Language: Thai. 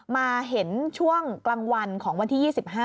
มาเห็นช่วงกลางวันของวันที่๒๕